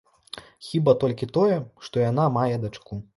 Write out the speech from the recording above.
Хіба толькі тое, што яна мае дачку.